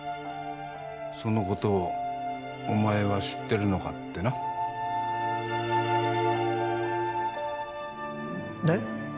そのことをお前は知ってるのかってなで？